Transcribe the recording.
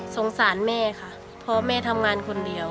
สงสารแม่ค่ะเพราะแม่ทำงานคนเดียว